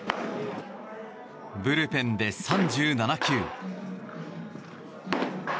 ブルペンで３７球。